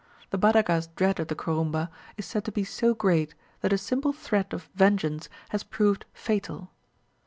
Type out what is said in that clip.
The Badaga's dread of the Kurumba is said to be so great, that a simple threat of vengeance has proved fatal.